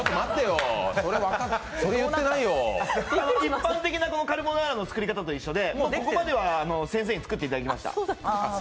一般的なカルボナーラの作り方と一緒でここまでは先生に作っていただきました。